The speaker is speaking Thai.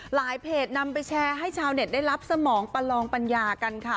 เพจนำไปแชร์ให้ชาวเน็ตได้รับสมองประลองปัญญากันค่ะ